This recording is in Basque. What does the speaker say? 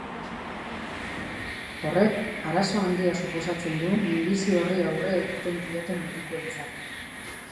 Horrek, arazo handia suposatzen du minbizi horri aurre egiten dioten medikuentzat.